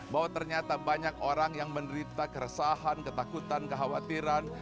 bahwa ternyata banyak orang yang menderita keresahan ketakutan kekhawatiran